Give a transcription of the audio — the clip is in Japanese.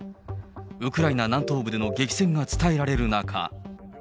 ウクライナ南東部での激戦が伝えられる中。